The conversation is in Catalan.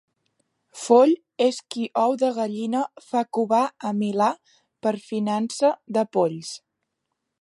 Foll és qui ou de gallina fa covar a milà per fiança de polls.